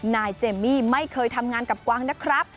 นายเจมมี่ไม่เคยทำงานกับกวางนะครับ